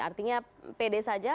artinya pede saja